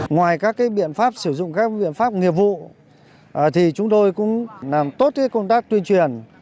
ngoài các biện pháp sử dụng các biện pháp nghiệp vụ chúng tôi cũng làm tốt công tác tuyên truyền